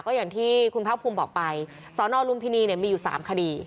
ก็อย่างที่คุณภาคภูมิบอกไปสนลุมพินีเนี่ยมีอยู่๓คดี